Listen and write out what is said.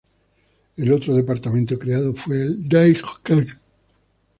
El otro departamento creado fue el Daijō-kan.